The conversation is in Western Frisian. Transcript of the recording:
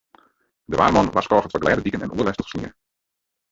De waarman warskôget foar glêde diken en oerlêst troch snie.